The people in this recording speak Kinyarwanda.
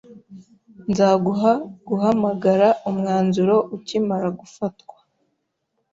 Nzaguha guhamagara umwanzuro ukimara gufatwa.